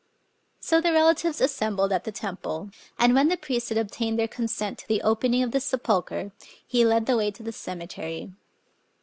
So the relatives assembled at the temple; and when the priest had obtained their consent to the opening of the sepulchre, he led the way to the cemetery.